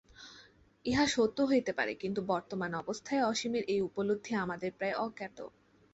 ইহা সত্য হইতে পারে, কিন্তু বর্তমান অবস্থায় অসীমের এই উপলব্ধি আমাদের প্রায় অজ্ঞাত।